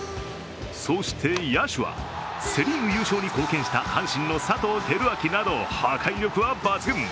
そして野手は、セ・リーグ優勝に貢献した阪神の佐藤輝明など破壊力は抜群。